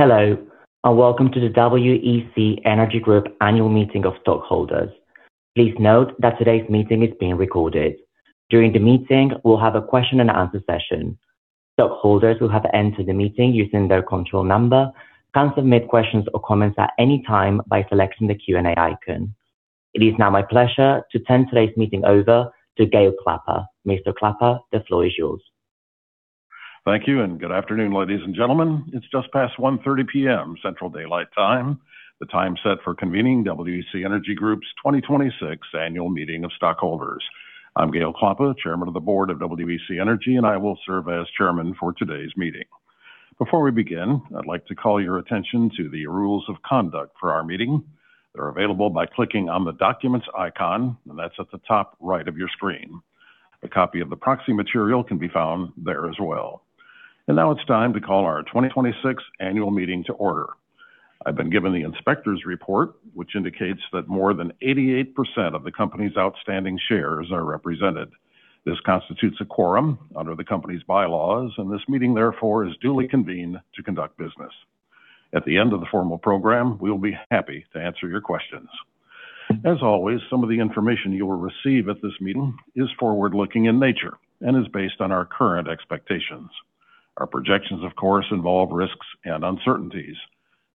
Hello, and welcome to the WEC Energy Group annual meeting of stockholders. Please note that today's meeting is being recorded. During the meeting, we'll have a question and answer session. Stockholders who have entered the meeting using their control number can submit questions or comments at any time by selecting the Q&A icon. It is now my pleasure to turn today's meeting over to Gale Klappa. Mr. Klappa, the floor is yours. Thank you, and good afternoon, ladies and gentlemen. It's just past 1:30 P.M. Central Daylight Time, the time set for convening WEC Energy Group's 2026 annual meeting of stockholders. I'm Gale Klappa, Chairman of the Board of WEC Energy Group, and I will serve as chairman for today's meeting. Before we begin, I'd like to call your attention to the rules of conduct for our meeting. They're available by clicking on the documents icon, and that's at the top right of your screen. A copy of the proxy material can be found there as well. Now it's time to call our 2026 annual meeting to order. I've been given the inspector's report, which indicates that more than 88% of the company's outstanding shares are represented. This constitutes a quorum under the company's bylaws, and this meeting, therefore, is duly convened to conduct business. At the end of the formal program, we will be happy to answer your questions. As always, some of the information you will receive at this meeting is forward-looking in nature and is based on our current expectations. Our projections, of course, involve risks and uncertainties.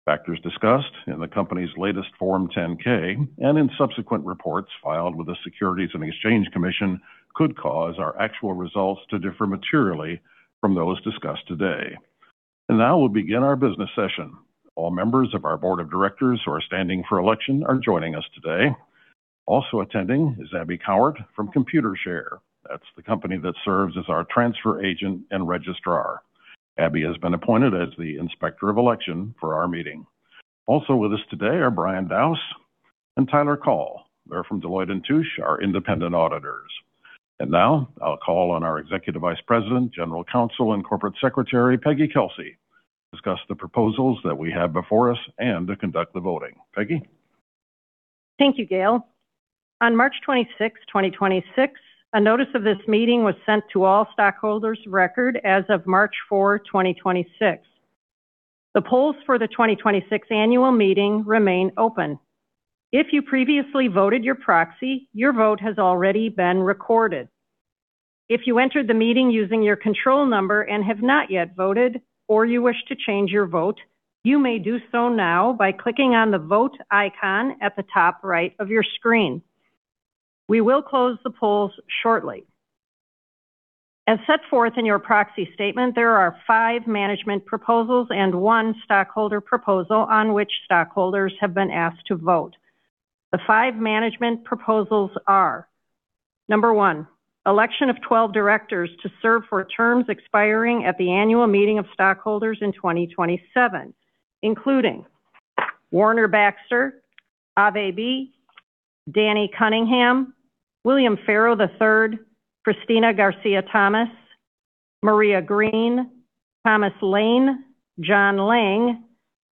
Factors discussed in the company's latest Form 10-K and in subsequent reports filed with the Securities and Exchange Commission could cause our actual results to differ materially from those discussed today. Now we'll begin our business session. All members of our board of directors who are standing for election are joining us today. Also attending is Abby Cowart from Computershare. That's the company that serves as our transfer agent and registrar. Abby has been appointed as the Inspector of Election for our meeting. Also with us today are Brian Dowse and Tyler Call. They're from Deloitte & Touche, our Independent Auditors. Now I'll call on our Executive Vice President, General Counsel, and Corporate Secretary, Peggy Kelsey, to discuss the proposals that we have before us and to conduct the voting. Peggy. Thank you, Gale. On March 26th, 2026, a notice of this meeting was sent to all stockholders of record as of March 4th, 2026. The polls for the 2026 annual meeting remain open. If you previously voted your proxy, your vote has already been recorded. If you entered the meeting using your control number and have not yet voted or you wish to change your vote, you may do so now by clicking on the Vote icon at the top right of your screen. We will close the polls shortly. As set forth in your proxy statement, there are 5 management proposals and 1 stockholder proposal on which stockholders have been asked to vote. The five management proposals are: number 1, election of 12 Directors to serve for terms expiring at the annual meeting of stockholders in 2027, including Warner Baxter, Ave M. Bie, Danny Cunningham, William Farrow III, Cristy Garcia-Thomas, Maria Green, Thomas Lane, John D. Lange,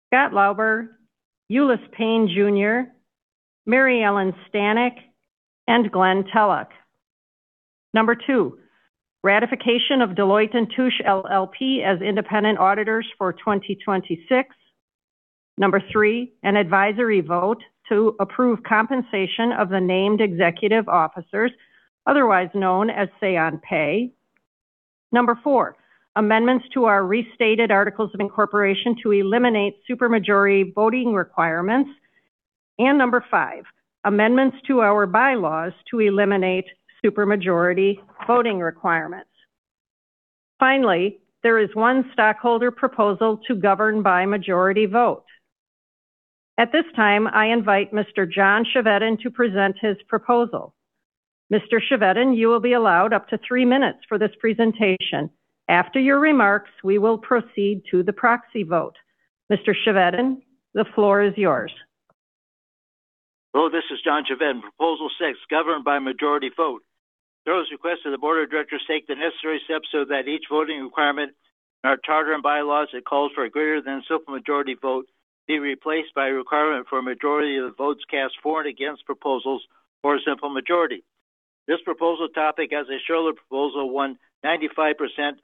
Scott Lauber, Ulice Payne Jr., Mary Ellen Stanek, and Glen E. Tellock. Number 2, ratification of Deloitte & Touche LLP as Independent Auditors for 2026. Number 3, an advisory vote to approve compensation of the named executive officers, otherwise known as Say-on-Pay. Number 4, amendments to our restated articles of incorporation to eliminate supermajority voting requirements. Number 5, amendments to our bylaws to eliminate supermajority voting requirements. Finally, there is 1 stockholder proposal to govern by majority vote. At this time, I invite Mr. John Chevedden to present his proposal. Mr. Chevedden, you will be allowed up to 3 minutes for this presentation. After your remarks, we will proceed to the proxy vote. Mr. Chevedden, the floor is yours. Hello, this is John Chevedden. Proposal 6, govern by majority vote. The board is requested the Board of Directors take the necessary steps so that each voting requirement in our charter and bylaws that calls for a greater than simple majority vote be replaced by a requirement for a majority of the votes cast for and against proposals or a simple majority. This proposal topic, as a shareholder proposal, won 95%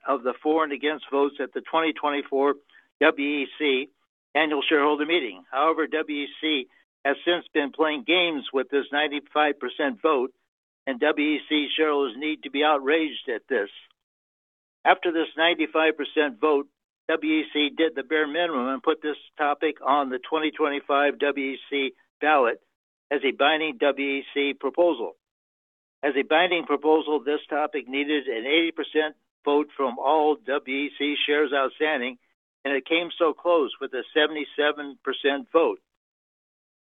of the for and against votes at the 2024 WEC annual shareholder meeting. WEC has since been playing games with this 95% vote, and WEC shareholders need to be outraged at this. After this 95% vote, WEC did the bare minimum and put this topic on the 2025 WEC ballot as a binding WEC proposal. As a binding proposal, this topic needed an 80% vote from all WEC shares outstanding, and it came so close with a 77% vote.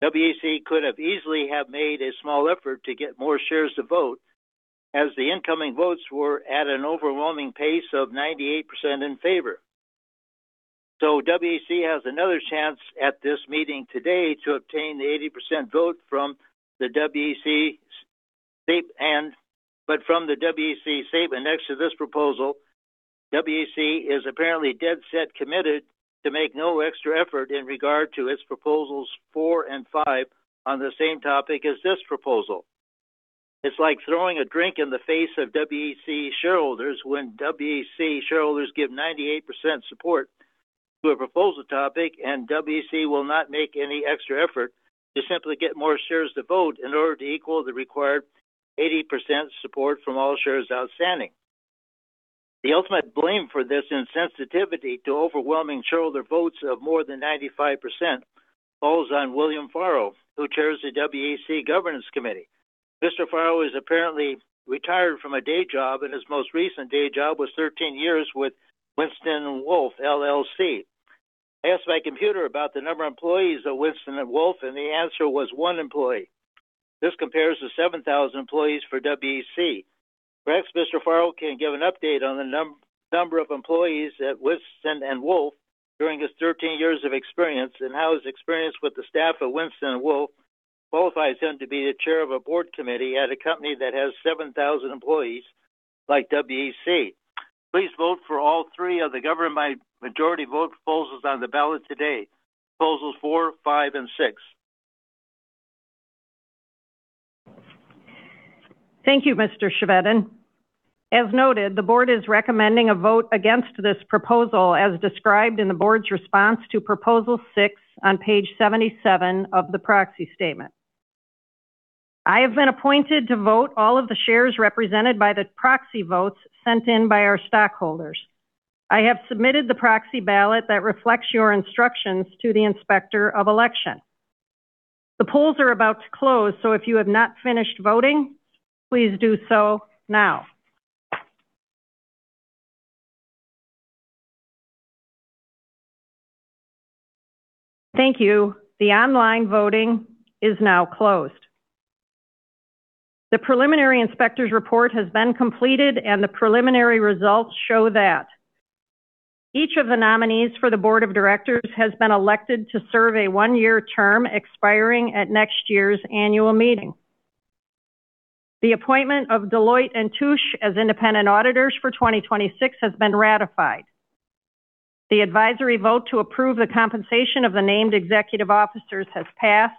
WEC could have easily made a small effort to get more shares to vote as the incoming votes were at an overwhelming pace of 98% in favor. WEC has another chance at this meeting today to obtain the 80% vote from the WEC statement. From the WEC statement next to this proposal, WEC is apparently dead set committed to make no extra effort in regard to its proposals 4 and 5 on the same topic as this proposal. It's like throwing a drink in the face of WEC shareholders when WEC shareholders give 98% support to a proposal topic, and WEC will not make any extra effort to simply get more shares to vote in order to equal the required 80% support from all shares outstanding. The ultimate blame for this insensitivity to overwhelming shareholder votes of more than 95% falls on William Farrow III, who chairs the WEC Corporate Governance Committee. Mr. Farrow III is apparently retired from a day job, and his most recent day job was 13 years with Winston & Strawn LLP. I asked my computer about the number of employees at Winston & Strawn, and the answer was 1 employee. This compares to 7,000 employees for WEC. Perhaps Mr. Farrow can give an update on the number of employees at Winston & Strawn during his 13 years of experience and how his experience with the staff at Winston & Strawn qualifies him to be a chair of a board committee at a company that has 7,000 employees like WEC. Please vote for all 3 of the govern by majority vote proposals on the ballot today, proposals 4, 5, and 6. Thank you, Mr. Chevedden. As noted, the board is recommending a vote against this proposal as described in the board's response to proposal six on page 77 of the proxy statement. I have been appointed to vote all of the shares represented by the proxy votes sent in by our stockholders. I have submitted the proxy ballot that reflects your instructions to the Inspector of Election. The polls are about to close, so if you have not finished voting, please do so now. Thank you. The online voting is now closed. The preliminary Inspector's report has been completed, and the preliminary results show that each of the nominees for the board of directors has been elected to serve a one-year term expiring at next year's annual meeting. The appointment of Deloitte & Touche as independent auditors for 2026 has been ratified. The advisory vote to approve the compensation of the named executive officers has passed.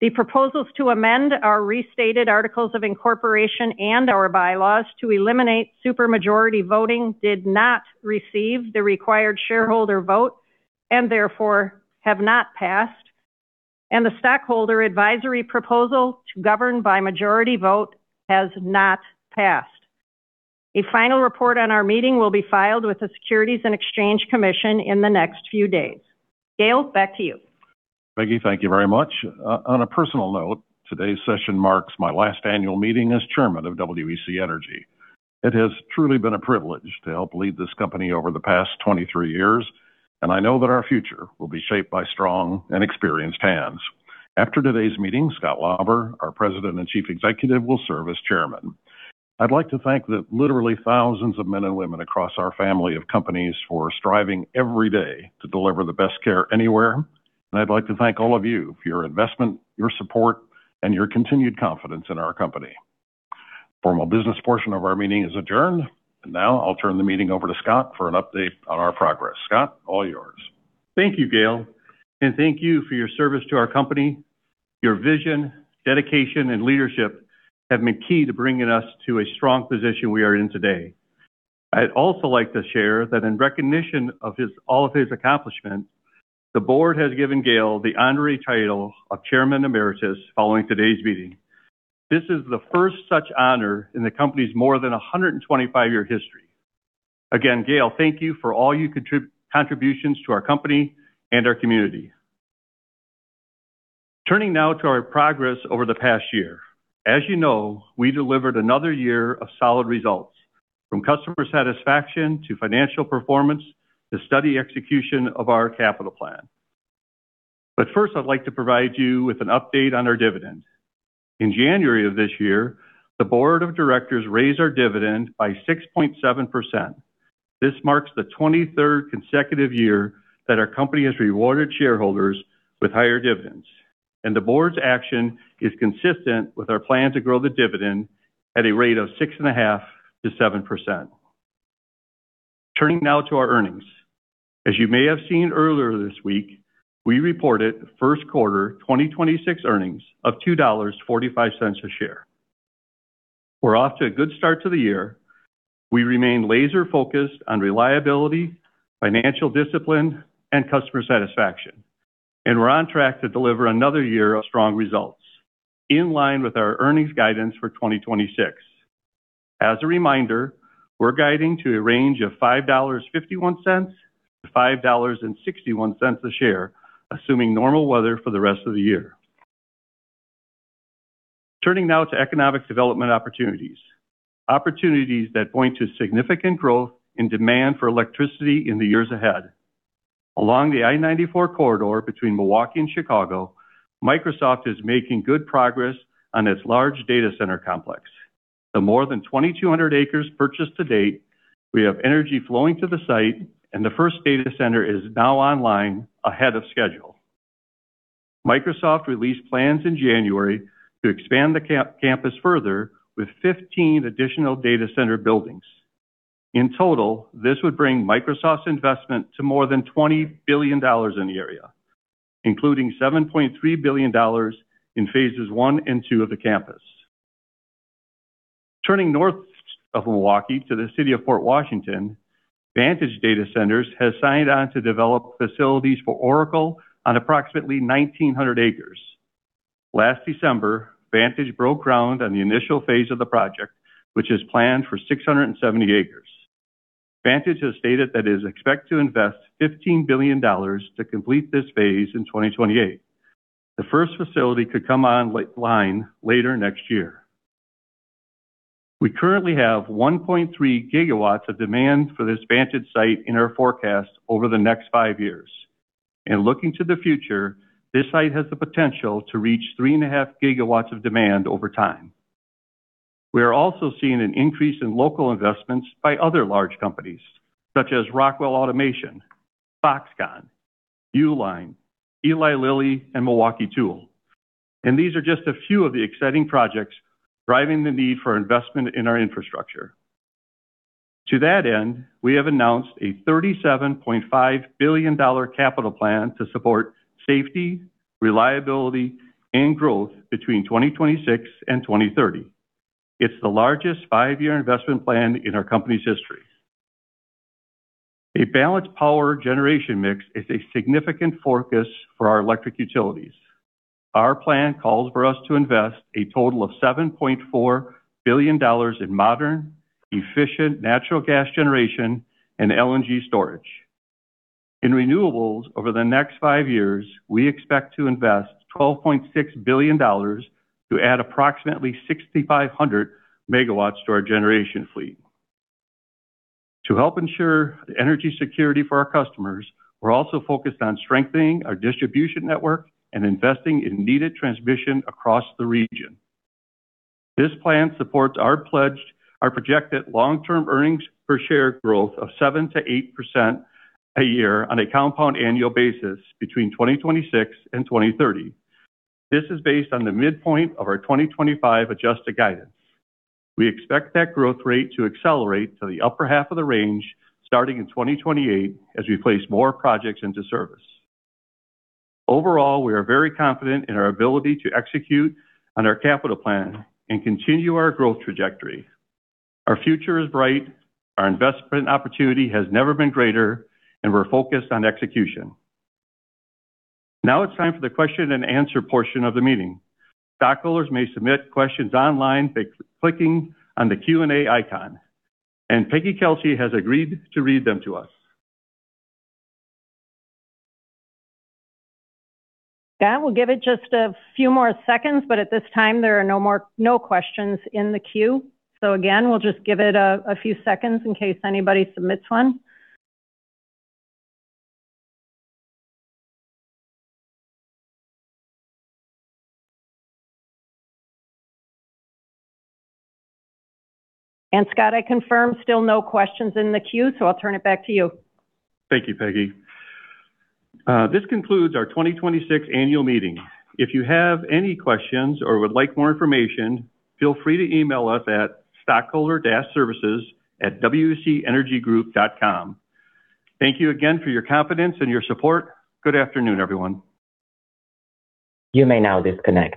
The proposals to amend our restated articles of incorporation and our bylaws to eliminate super majority voting did not receive the required shareholder vote and therefore have not passed. The stockholder advisory proposal to govern by majority vote has not passed. A final report on our meeting will be filed with the Securities and Exchange Commission in the next few days. Gale, back to you. Peggy, thank you very much. On a personal note, today's session marks my last annual meeting as Chairman of WEC Energy Group. It has truly been a privilege to help lead this company over the past 23 years, and I know that our future will be shaped by strong and experienced hands. After today's meeting, Scott Lauber, our President and Chief Executive, will serve as Chairman. I'd like to thank the literally thousands of men and women across our family of companies who are striving every day to deliver the best care anywhere. I'd like to thank all of you for your investment, your support, and your continued confidence in our company. Formal business portion of our meeting is adjourned. Now I'll turn the meeting over to Scott for an update on our progress. Scott, all yours. Thank you, Gale, and thank you for your service to our company. Your vision, dedication, and leadership have been key to bringing us to a strong position we are in today. I'd also like to share that in recognition of all of his accomplishments, the board has given Gale the honorary title of Chairman Emeritus following today's meeting. This is the first such honor in the company's more than a 125-year history. Again, Gale, thank you for all your contributions to our company and our community. Turning now to our progress over the past year. As you know, we delivered another year of solid results, from customer satisfaction to financial performance to steady execution of our capital plan. First, I'd like to provide you with an update on our dividend. In January of this year, the board of directors raised our dividend by 6.7%. This marks the 23rd consecutive year that our company has rewarded shareholders with higher dividends. The board's action is consistent with our plan to grow the dividend at a rate of 6.5%-7%. Turning now to our earnings. As you may have seen earlier this week, we reported first quarter 2026 earnings of $2.45 a share. We're off to a good start to the year. We remain laser-focused on reliability, financial discipline, and customer satisfaction, and we're on track to deliver another year of strong results in line with our earnings guidance for 2026. As a reminder, we're guiding to a range of $5.51 to $5.61 a share, assuming normal weather for the rest of the year. Turning now to economic development opportunities that point to significant growth and demand for electricity in the years ahead. Along the I-94 corridor between Milwaukee and Chicago, Microsoft is making good progress on its large data center complex. The more than 2,200 acres purchased to date, we have energy flowing to the site, and the first data center is now online ahead of schedule. Microsoft released plans in January to expand the campus further with 15 additional data center buildings. In total, this would bring Microsoft's investment to more than $20 billion in the area, including $7.3 billion in phases 1 and 2 of the campus. Turning north of Milwaukee to the city of Port Washington, Vantage Data Centers has signed on to develop facilities for Oracle on approximately 1,900 acres. Last December, Vantage broke ground on the initial phase of the project, which is planned for 670 acres. Vantage has stated that it is expected to invest $15 billion to complete this phase in 2028. The first facility could come on line later next year. We currently have 1.3GW of demand for this Vantage site in our forecast over the next 5 years. Looking to the future, this site has the potential to reach 3.5GW of demand over time. We are also seeing an increase in local investments by other large companies such as Rockwell Automation, Foxconn, Uline, Eli Lilly, and Milwaukee Tool. These are just a few of the exciting projects driving the need for investment in our infrastructure. To that end, we have announced a $37.5 billion capital plan to support safety, reliability, and growth between 2026 and 2030. It's the largest 5-year investment plan in our company's history. A balanced power generation mix is a significant focus for our electric utilities. Our plan calls for us to invest a total of $7.4 billion in modern, efficient natural gas generation and LNG storage. In renewables, over the next 5 years, we expect to invest $12.6 billion to add approximately 6,500MW to our generation fleet. To help ensure the energy security for our customers, we're also focused on strengthening our distribution network and investing in needed transmission across the region. This plan supports our pledged or projected long-term earnings per share growth of 7% -8% a year on a compound annual basis between 2026 and 2030. This is based on the midpoint of our 2025 adjusted guidance. We expect that growth rate to accelerate to the upper half of the range starting in 2028 as we place more projects into service. Overall, we are very confident in our ability to execute on our capital plan and continue our growth trajectory. Our future is bright, our investment opportunity has never been greater, and we're focused on execution. Now it's time for the question and answer portion of the meeting. Stockholders may submit questions online by clicking on the Q&A icon, and Margaret Kelsey has agreed to read them to us. Yeah, we'll give it just a few more seconds, but at this time there are no more questions in the queue. Again, we'll just give it a few seconds in case anybody submits one. Scott, I confirm still no questions in the queue, so I'll turn it back to you. Thank you, Peggy. This concludes our 2026 annual meeting. If you have any questions or would like more information, feel free to email us at wec.stockholder-services.contact@wecenergygroup.com. Thank you again for your confidence and your support. Good afternoon, everyone. You may now disconnect.